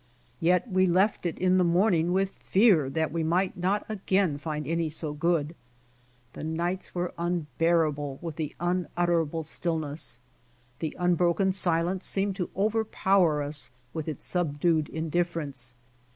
Yet we left it in the morning with fear that we might not again find any so good. The nights were unbearable with the unutterable still ness. The unbroken silence seemed to overpower us with its subdued indifference.